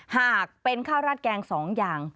หากเป็นข้าวราดแกง๒อย่าง